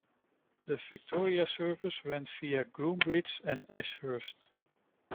The Victoria services ran via Groombridge and Ashurst.